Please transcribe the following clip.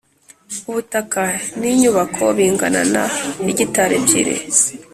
Ubutaka n inyubako bingana na hegitari ebyiri